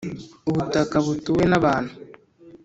Ubutaka butuwe n’abantu